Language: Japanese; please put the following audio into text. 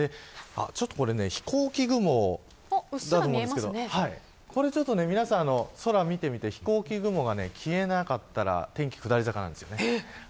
飛行機雲だと思うんですが皆さん、空を見てみて飛行機雲が消えなかったら天気下り坂なんですよね。